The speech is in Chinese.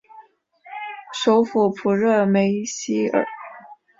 首府普热梅希尔。